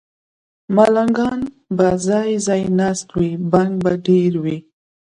ملنګان به ځای، ځای ناست وي، بنګ به ډېر وي